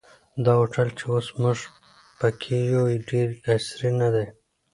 دا هوټل چې اوس موږ په کې یو ډېر عصري نه دی.